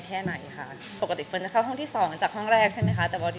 ใช่ใช่ปกติแทบจะแบบเก้าในสิบครั้งก็จะเช็คตลอดค่ะ